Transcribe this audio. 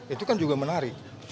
itu kan juga menarik